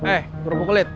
eh kerupuk kulit